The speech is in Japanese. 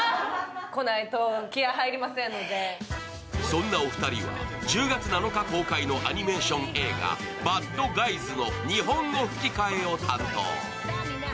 そんなお二人は１０月７日公開のアニメーション映画、「バッドガイズ」の日本語吹き替えを担当。